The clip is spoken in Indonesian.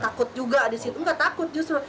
takut juga disitu nggak takut justru